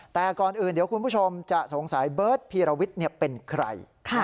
แต่ก่อนอื่นเดี๋ยวคุณผู้ชมจะสงสัยเบิร์ตพีรวิทย์เป็นใคร